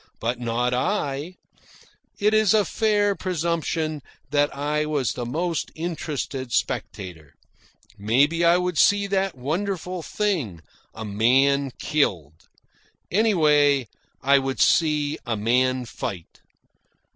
But not I. It is a fair presumption that I was the most interested spectator. Maybe I would see that wonderful thing, a man killed. Anyway, I would see a man fight.